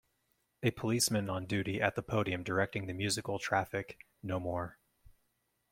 A policeman on duty at the podium directing the musical traffic, no more.